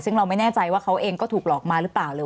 ซึ่งเราไม่แน่ใจว่าเขาเองก็ถูกหลอกมาหรือเปล่าหรือ